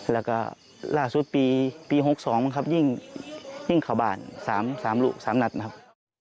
แล้วก็ล่าสุดปี๖๒มันครับยิ่งขาวบ้าน๓ลูก๓นัดนะครับ